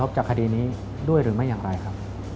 จากคดีนี้ด้วยหรือไม่อย่างไรครับ